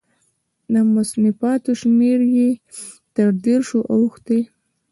د مصنفاتو شمېر یې تر دېرشو اوښتی و.